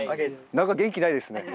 何か元気ないですね。